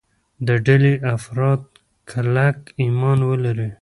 د ډلې افراد کلک ایمان ولري.